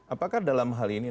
apakah dalam hal ini